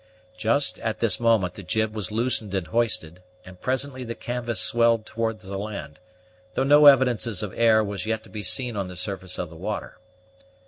Just at this moment the jib was loosened and hoisted, and presently the canvas swelled towards the land, though no evidences of air were yet to be seen on the surface of the water.